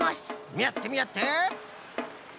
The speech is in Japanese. みあってみあって。